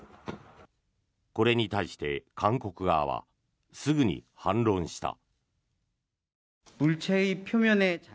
これに対して韓国側はすぐに反論した。